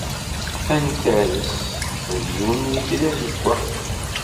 Antares d yiwen n yitri azewwaɣ.